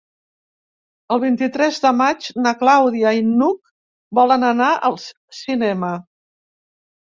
El vint-i-tres de maig na Clàudia i n'Hug volen anar al cinema.